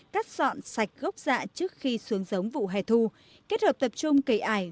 cắt dọn sạch gốc dạ trước khi xuống giống vụ hè thu kết hợp tập trung cây ải